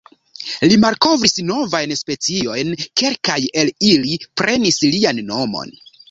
Li malkovris novajn speciojn, kelkaj el ili prenis lian nomon.